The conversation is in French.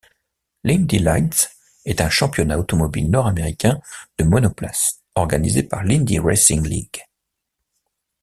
L'Indy Lights est un championnat automobile nord-américain de monoplace organisé par l'Indy Racing League.